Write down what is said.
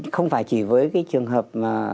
không phải chỉ với cái trường hợp